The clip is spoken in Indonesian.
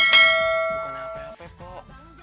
bukan apa apa kok